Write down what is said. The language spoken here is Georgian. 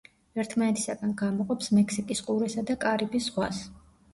ერთმანეთისაგან გამოყოფს მექსიკის ყურესა და კარიბის ზღვას.